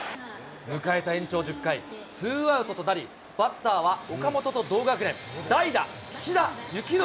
迎えた延長１０回、ツーアウトとなり、バッターは岡本と同学年、代打、岸田行倫。